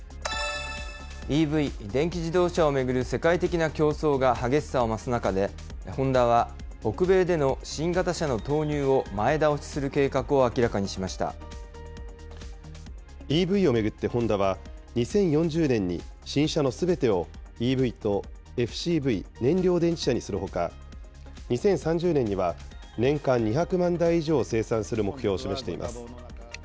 ＥＶ・電気自動車を巡る世界的な競争が激しさを増す中で、ホンダは北米での新型車の投入を前倒しする計画を明らかにしましＥＶを巡ってホンダは、２０４０年に新車のすべてをＥＶとＦＣＶ・燃料電池車にするほか、２０３０年には、年間２００万台以上を生産する目標を示しています。